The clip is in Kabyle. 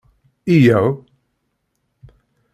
Yyaw!